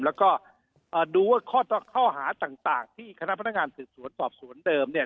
แล้วก็ดูว่าข้อหาต่างที่คณะพนักงานสืบสวนสอบสวนเดิมเนี่ย